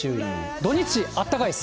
土日、あったかいです。